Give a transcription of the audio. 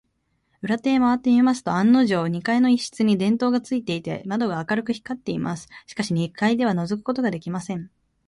裏手へまわってみますと、案のじょう、二階の一室に電燈がついていて、窓が明るく光っています。しかし、二階ではのぞくことができません。